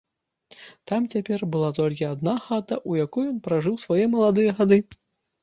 Там цяпер была толькі адна хата, у якой ён пражыў свае маладыя гады.